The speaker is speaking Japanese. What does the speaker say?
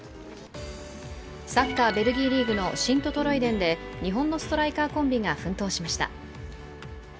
サッカー、ベルギーリーグのシント・トロイデンで日本のストライカーコンビが奮闘しました。